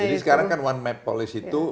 jadi sekarang kan one map policy itu